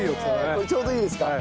これちょうどいいですか？